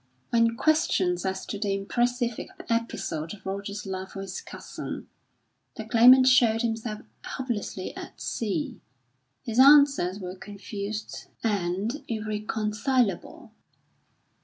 When questioned as to the impressive episode of Roger's love for his cousin, the Claimant showed himself hopelessly at sea. His answers were confused and irreconcilable.